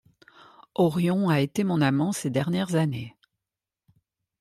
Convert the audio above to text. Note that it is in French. Orion a été mon amant ces dernières années.